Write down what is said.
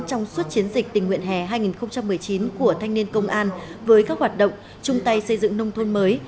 trong suốt chiến dịch tình nguyện hè hai nghìn một mươi chín của thanh niên công an với các hoạt động chung tay xây dựng nông thôn mới